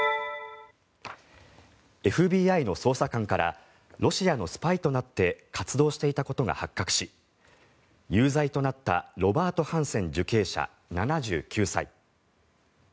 ＦＢＩの捜査官からロシアのスパイとなって活動していたことが発覚し有罪となったロバート・ハンセン受刑者７９歳。